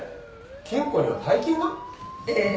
金庫には大金が？ええ。